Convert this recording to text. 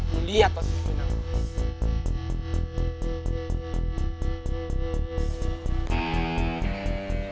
lu lihat posisi kamu